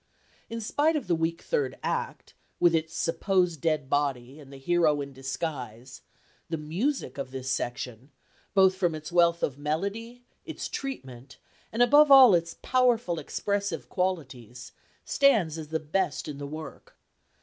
In spite of the weak third act, with its supposed dead body, and the hero in disguise, the music of this section, both from its wealth of melody, its treatment, and above all its powerful expressive qualities, stands as the best in the work.